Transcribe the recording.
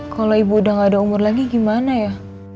kalau ibu udah gak ada umur lagi gimana ya